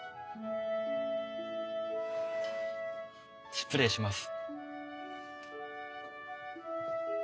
失礼します。